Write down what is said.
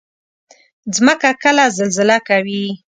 مځکه کله زلزله کوي.